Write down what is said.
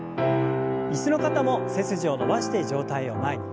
椅子の方も背筋を伸ばして上体を前に。